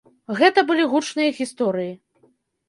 Гэта былі гучныя гісторыі.